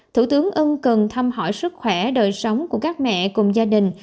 thủ tướng ân cần thăm hỏi sức khỏe đời sống của các mẹ cùng gia đình